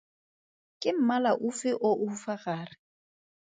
Ke mmala ofe o o fa gare?